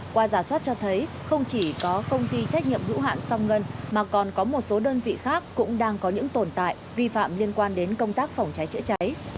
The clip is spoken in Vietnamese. qua giả soát cho thấy không chỉ có công ty trách nhiệm hữu hạn song ngân mà còn có một số đơn vị khác cũng đang có những tồn tại vi phạm liên quan đến công tác phòng cháy chữa cháy